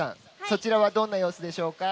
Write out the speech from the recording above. そちらはどんな様子でしょうか？